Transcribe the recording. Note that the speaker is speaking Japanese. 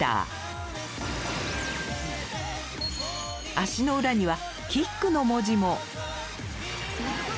足の裏には「キック」の文字も。